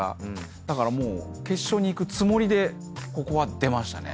だからもう決勝にいくつもりでここは出ましたね。